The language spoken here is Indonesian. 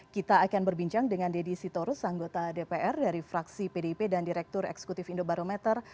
kita akan berbincang dengan deddy sitorus anggota dpr dari fraksi pdip dan direktur eksekutif indobarometer